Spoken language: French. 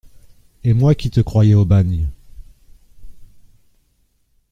Et moi qui te croyais au bagne !